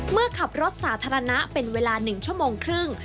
เมื่อขับรถสาธารณะเป็นเวลา๑ชั่วโมงครึ่ง